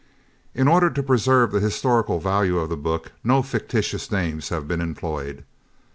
In order to preserve the historical value of the book no fictitious names have been employed.